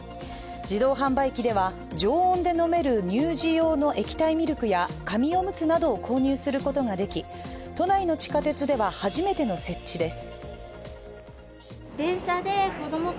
自動販売機では常温で飲める乳児用の液体ミルクや、紙おむつなどを購入することができ、都内の地下鉄では初めての設置です。